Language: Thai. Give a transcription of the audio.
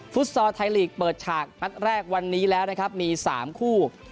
ฟอร์ไทยลีกเปิดฉากนัดแรกวันนี้แล้วนะครับมี๓คู่